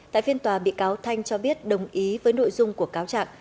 tại phiên tòa bị cáo thanh cho biết đồng ý với nội dung của cáo trạng